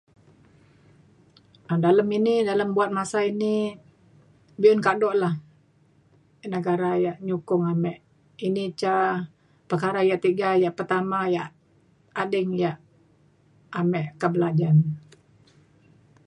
um dalem ini dalem buat masa ini be'un kado lah negara yak nyukong ame. ini ca perkara yak tiga yak pertama yak ading yak ame kak belajan